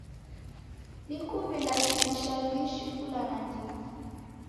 Na kuw'ilazimisha w'iishi kula nandighi